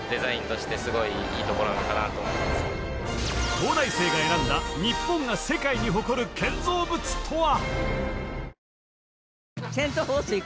東大生が選んだ日本が世界に誇る建造物とは？